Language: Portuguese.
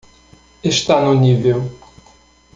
Está no nível.